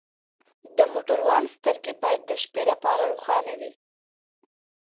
د موټروان سترګې باید د شپې لپاره روښانه وي.